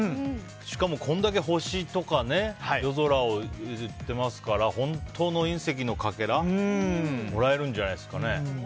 しかもこれだけ星とか夜空といっていますから本当の隕石のかけらもらえるんじゃないですかね。